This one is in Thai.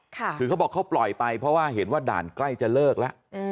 คือเขาบอกเขาปล่อยไปเพราะว่าเห็นว่าด่านใกล้จะเลิกแล้ว